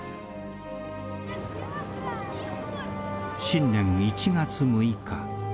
新年１月６日。